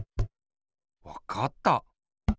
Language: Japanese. わかった！